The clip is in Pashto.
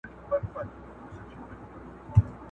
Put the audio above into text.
غازي دغه یې وخت دی د غزا په کرنتین کي،